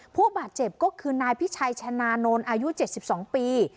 ผู้บาดเจ็บก็คือนายพิชัยชนะนนท์อายุ๗๒ปี